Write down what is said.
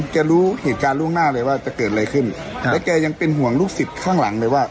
รู้เหตุการณ์ล่วงหน้าเลยว่าจะเกิดอะไรขึ้นแล้วแกยังเป็นห่วงลูกศิษย์ข้างหลังเลยว่า